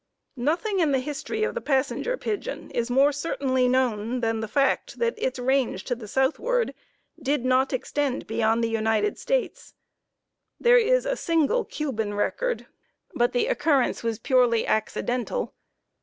] Nothing in the history of the Passenger Pigeon is more certainly known than the fact that its range to the southward did not extend beyond the United States. There is a single Cuban record, but the occurrence was purely accidental.